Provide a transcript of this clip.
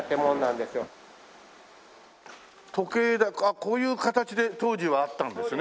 こういう形で当時はあったんですね。